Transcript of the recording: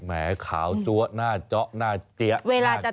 แหมขาวจั๊วหน้าเจ๊ะหน้าเจ๊ะหน้าเกี๊ย